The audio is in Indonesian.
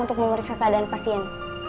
untuk memeriksa keadaan pasien